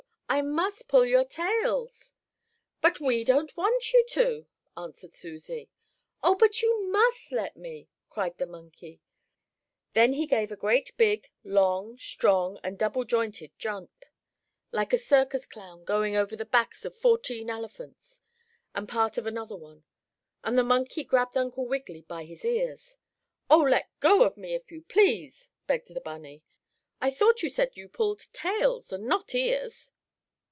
I must pull your tails!" "But we don't want you to," answered Susie. "Oh, but you must let me!" cried the monkey. Then he gave a great big, long, strong and double jointed jump, like a circus clown going over the backs of fourteen elephants, and part of another one, and the monkey grabbed Uncle Wiggily by his ears. "Oh, let go of me, if you please!" begged the bunny. "I thought you said you pulled tails and not ears."